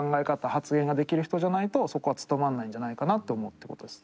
発言ができる人じゃないとそこは務まらないんじゃないかなと思うっていう事です。